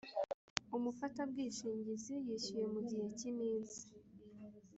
Umufatabwishingizi yishyuye mu gihe cy iminsi